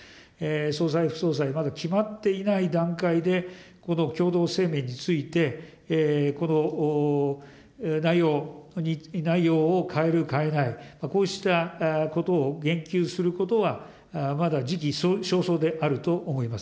総裁、副総裁、まだ決まっていない段階で、この共同声明について、この内容を変える、変えない、こうしたことを言及することは、まだ時期尚早であると思います。